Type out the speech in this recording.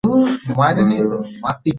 বালী সুগ্রীবকে রাজ্য হইতে বিতাড়িত করে।